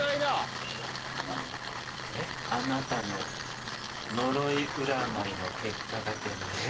あなたの呪い占いの結果が出ました。